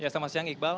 selamat siang iqbal